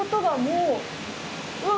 うわ！